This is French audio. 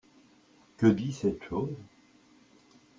Que dit cette chose ?